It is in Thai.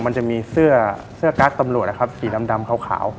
มันจะมีเสื้อกั๊กตำรวจนะครับสีดำขาว